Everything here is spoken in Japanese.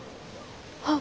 あ。